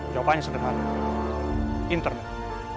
jawabannya sederhana internet